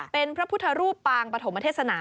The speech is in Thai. เป็นพระพุทธรูปปางปฐมเทศนา